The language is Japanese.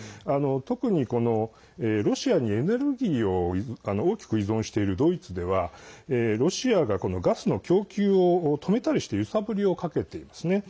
特にロシアにエネルギーを大きく依存しているドイツではロシアがガスの供給を止めたりして揺さぶりをかけていますね。